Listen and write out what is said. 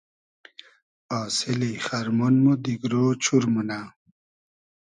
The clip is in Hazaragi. آسیلی خئرمۉن مۉ دیگرۉ چور مونۂ